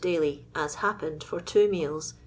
daOy, ''as happened, for two neals, M.